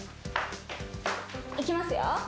いきますよ。